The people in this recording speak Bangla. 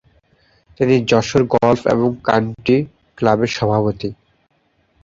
তিনি যশোর গলফ এবং কান্ট্রি ক্লাবের সভাপতি।